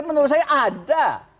menurut saya ada